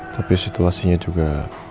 tapi situasinya juga